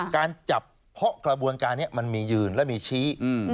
การจับเพราะกระบวนการนี้มันมียืนและมีชี้